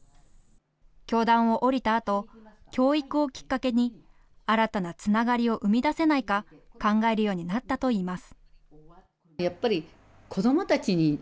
教壇を降りたあと、教育をきっかけに、新たなつながりを生み出せないか、考えるようになったといいます。